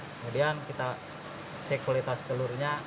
kemudian kita cek kualitas telurnya